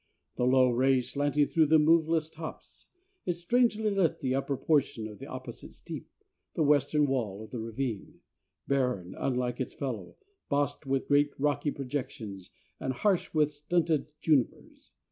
The low rays slanting through the moveless tops lit strangely the upper portion of the opposite steep, the western wall of the ravine, barren, unlike its fellow, bossed with great rocky projections, and harsh with stunted junipers.